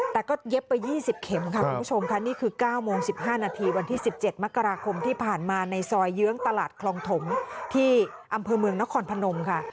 แต่ก็เย็บไป๒๐เข็มค่ะคุณผู้ชมค่ะนี่คือ๙โมง๑๕นาทีวันที่๑๗มกราคมที่ผ่านมาในซอยเยื้องตลาดคลองถมที่อำเภอเมืองนครพนมค่ะ